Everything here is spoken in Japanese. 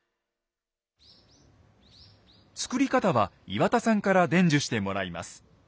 作り方は岩田さんから伝授してもらいます。